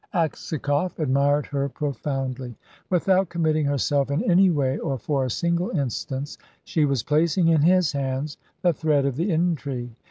Aksakoff admired her profoundly. Without committing herself in any way or for a single instance, she was placing in his hands the thread of the intrigue.